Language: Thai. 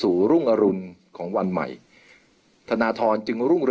เพื่อยุดยั้งการสืบทอดอำนาจของขอสอชอต่อและยังพร้อมจะเป็นนายกรัฐมนตรี